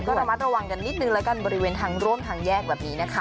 ก็ระมัดระวังกันนิดนึงแล้วกันบริเวณทางร่วมทางแยกแบบนี้นะคะ